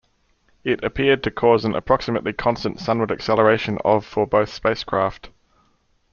It appeared to cause an approximately constant sunward acceleration of for both spacecraft.